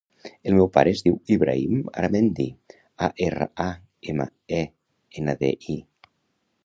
El meu pare es diu Ibrahim Aramendi: a, erra, a, ema, e, ena, de, i.